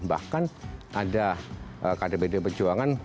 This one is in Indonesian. bahkan ada kdpd pejuangan